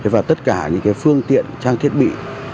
và tất cả những phương tiện trang thiết bị